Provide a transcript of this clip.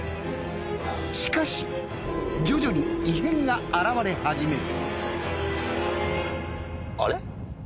しかし徐々に異変が現れ始める。